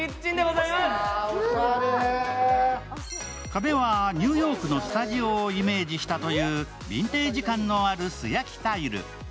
壁はニューヨークのスタジオをイメージしたというビンテージ感のある素焼きタイル。